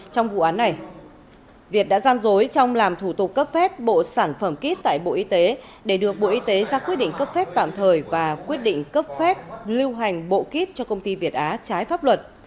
trong vụ án này việt đã gian dối trong làm thủ tục cấp phép bộ sản phẩm kít tại bộ y tế để được bộ y tế ra quyết định cấp phép tạm thời và quyết định cấp phép lưu hành bộ kít cho công ty việt á trái pháp luật